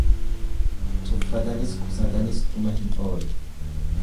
Cuffatanis qusatanis dhuma hin oolu.